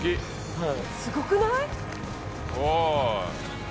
「はい」